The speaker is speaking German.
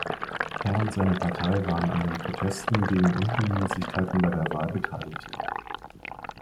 Er und seine Partei waren an den Protesten gegen Unregelmäßigkeiten bei der Wahl beteiligt.